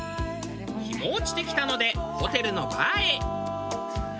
日も落ちてきたのでホテルのバーへ。